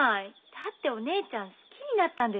だってお姉ちゃん好きになったんでしょ？